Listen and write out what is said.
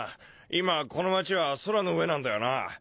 今この町は空の上なんだよな。